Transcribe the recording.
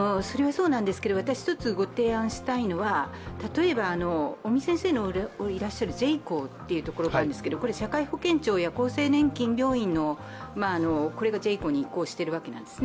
一つご提案したいのは、例えば尾身先生のいらっしゃるＪＣＨＯというところがあるんですが、社会保険庁や厚生年金病院がＪＣＨＯに移行しているわけなんですね。